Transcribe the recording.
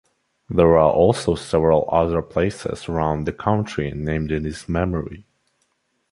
There are also several other places around the country named in his memory.